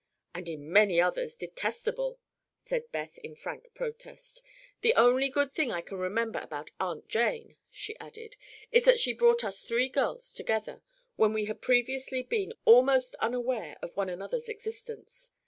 "And in many others detestable," said Beth in frank protest. "The only good thing I can remember about Aunt Jane," she added, "is that she brought us three girls together, when we had previously been almost unaware of one anothers' existence.